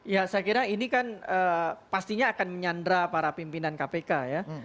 ya saya kira ini kan pastinya akan menyandra para pimpinan kpk ya